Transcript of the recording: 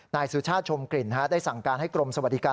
นายสุชาติชมกลิ่นได้สั่งการให้กรมสวัสดิการ